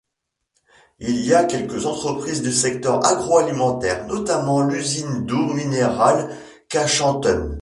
Il y a quelques entreprises du secteur agro-alimentaire notamment l'usine d'eau minérale Cachantún.